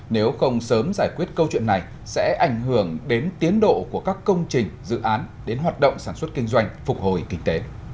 nếu không sớm giải quyết câu chuyện này sẽ ảnh hưởng đến tiến độ của các công trình dự án đến hoạt động sản xuất kinh doanh phục hồi kinh tế